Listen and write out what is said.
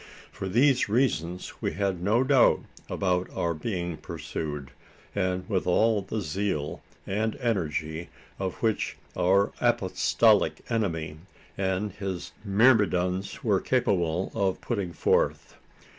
For these reasons we had no doubt about our being pursued; and with all the zeal and energy of which our apostolic enemy and his myrmidons were capable of putting forth.